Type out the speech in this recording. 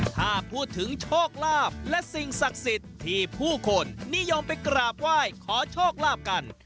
ถ้าพูดถึงโชคลาภและสิ่งศักดิ์สิทธิ์ที่ผู้คนนิยมไปกราบไหว้ขอโชคลาภกัน